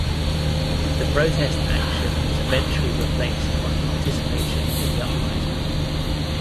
The protest action was eventually replaced by participation in the uprising.